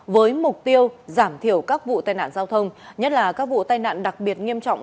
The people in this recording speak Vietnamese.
với mục tiêu giảm thiểu các vụ tai nạn giao thông nhất là các vụ tai nạn đặc biệt nghiêm trọng